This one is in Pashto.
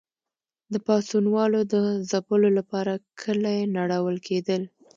د پاڅونوالو د ځپلو لپاره کلي نړول کېدل.